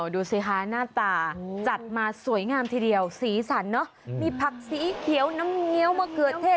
ดูสิคะหน้าตาจัดมาสวยงามทีเดียวสีสันเนอะมีผักสีเขียวน้ำเงี้ยวมะเขือเทศ